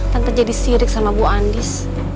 tanpa jadi sirik sama bu andis